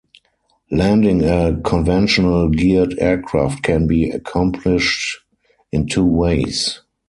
Landing a conventional geared aircraft can be accomplished in two ways.